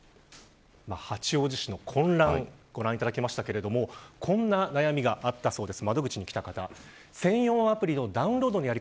八王子市の混乱をご覧いただきましたがこんな悩みがあったそうです。